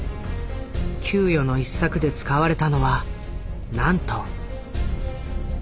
窮余の一策で使われたのはなんと。